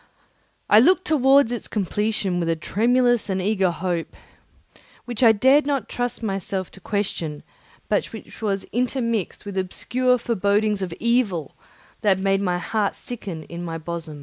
I looked towards its completion with a tremulous and eager hope, which I dared not trust myself to question but which was intermixed with obscure forebodings of evil that made my heart sicken